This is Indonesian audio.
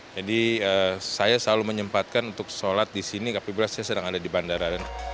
saya selalu menyempatkan untuk sholat di sini apabila saya sedang ada di bandara